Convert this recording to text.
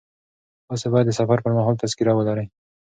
تاسي باید د سفر پر مهال تذکره ولرئ.